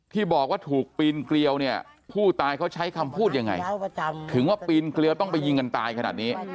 ที่บอกว่าถูกปีนเกลียวเนี่ยผู้ตายเขาใช้คำพูดยังไงถึงว่าปีนเกลียวต้องไปยิงกันตายขนาดนี้